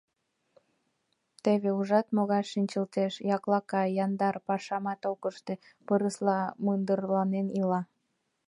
Теве ужат, могай шинчылтеш: яклака, яндар, пашамат ок ыште, пырысла мындырланен ила.